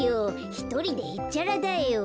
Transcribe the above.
ひとりでへっちゃらだよ。